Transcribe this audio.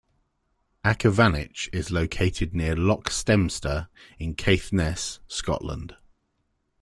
Achavanich is located near Loch Stemster in Caithness, Scotland.